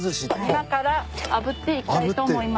・今からあぶっていきたいと思います。